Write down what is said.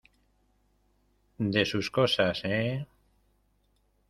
de sus cosas, ¿ eh?